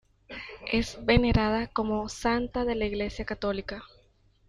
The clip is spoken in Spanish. Es venerada como santa de la Iglesia católica.